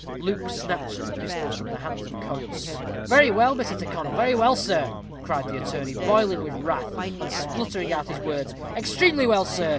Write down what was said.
Luke snatched the pistols from the hands of Coates. "Very well, Mr. Tyrconnel; very well, sir," cried the attorney, boiling with wrath, and spluttering out his words. "Extremely well, sir.